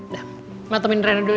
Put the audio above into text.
mama temenin rena dulu ya